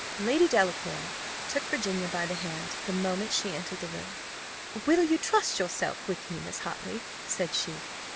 Lady Delacour took Virginia by the hand, the moment she entered the room. "Will you trust yourself with me, Miss Hartley?" said she.